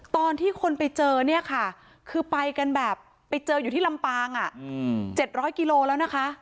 ตอนที่คนไปเจอคือไปอยู่ที่ลำปาง๗๐๐กิโลแล้วนะคะ